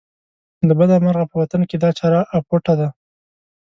له بده مرغه په وطن کې دا چاره اپوټه ده.